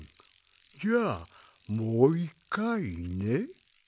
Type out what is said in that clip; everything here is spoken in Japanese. じゃあもういっかいね。